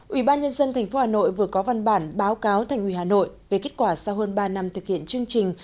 ủy ban nhân dân tp hà nội vừa có văn bản báo cáo thành ủy hà nội về kết quả sau hơn ba năm thực hiện chương trình